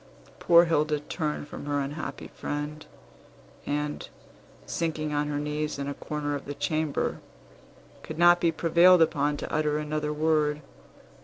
Poor Hilda turned from her unhappy friend, and, sinking on her knees in a corner of the chamber, could not be prevailed upon to utter another word.